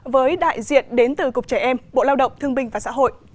với đại diện đến từ cục trẻ em bộ lao động thương binh và xã hội